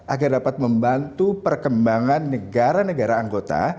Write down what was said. agar dapat membantu perkembangan negara negara anggota